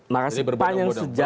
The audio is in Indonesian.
makanya panjang sejarah